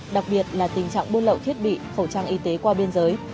đặc biệt là tình trạng buôn lậu thiết bị khẩu trang y tế qua biên giới